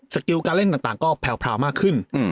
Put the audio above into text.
กิลการเล่นต่างก็แพรวมากขึ้น